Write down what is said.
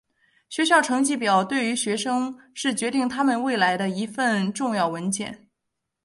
学校成绩表对于学生是决定他们未来的一份重要的文件。